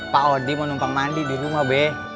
pak odi mau numpang mandi di rumah be